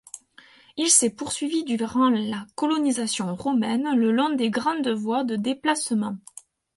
Il s'est poursuivi durant la colonisation romaine, le long des grandes voies de déplacement.